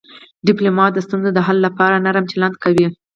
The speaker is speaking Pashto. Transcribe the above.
ډيپلومات د ستونزو د حل لپاره نرم چلند کوي.